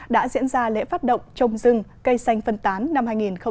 đã diễn ra lễ phát động trong rừng cây xanh phân tán năm hai nghìn một mươi chín